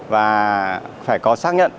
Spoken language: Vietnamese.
và phải có xác nhận